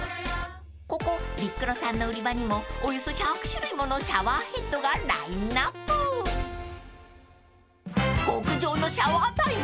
［ここビックロさんの売り場にもおよそ１００種類ものシャワーヘッドがラインアップ］